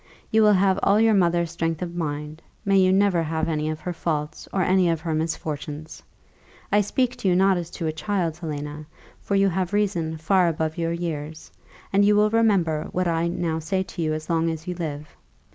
You will have all your mother's strength of mind; may you never have any of her faults, or any of her misfortunes! I speak to you not as to a child, Helena, for you have reason far above your years; and you will remember what I now say to you as long as you live.